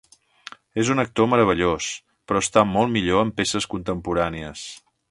És un actor meravellós però està molt millor en peces contemporànies.